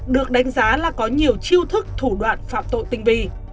được đánh giá là có nhiều chiêu thức thủ đoạn phạm tội tinh vi